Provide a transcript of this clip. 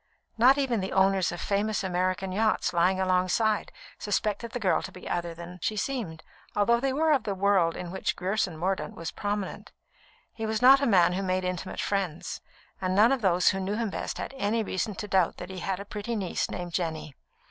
Not even the owners of famous American yachts lying alongside suspected the girl to be other than she seemed, though they were of the world in which Grierson Mordaunt was prominent. He was not a man who made intimate friends, and none of those who knew him best had any reason to doubt that he had a pretty niece named Jenny.